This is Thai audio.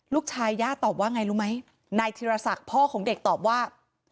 ย่าตอบว่าไงรู้ไหมนายธีรศักดิ์พ่อของเด็กตอบว่า